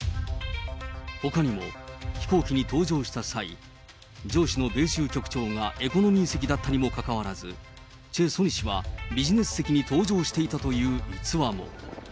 ほかにも、飛行機に搭乗した際、上司の米州局長がエコノミー席だったにもかかわらず、チェ・ソニ氏はビジネス席に搭乗していたという逸話も。